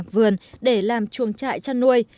vườn để làm chuồng trại chăn nuôi